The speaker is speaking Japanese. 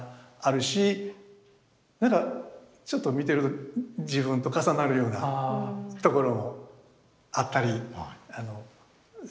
なんかちょっと見てると自分と重なるようなところもあったりするんですけどね。